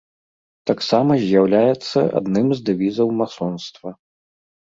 Таксама з'яўляецца адным з дэвізаў масонства.